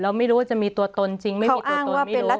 ไม่รู้ว่าจะมีตัวตนจริงไม่มีตัวตนไม่รู้